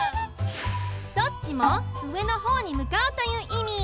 どっちもうえのほうにむかうといういみ。